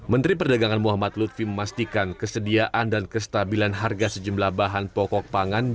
menteri perdagangan muhammad lutfi memastikan kesediaan dan kestabilan harga sejumlah bahan pokok pangan